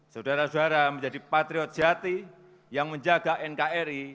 saudara saudara menjadi patriot jati yang menjaga nkri